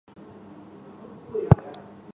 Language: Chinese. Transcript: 这项政策后来继续由联合邦政府推动。